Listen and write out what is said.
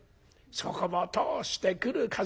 そこを通してくる風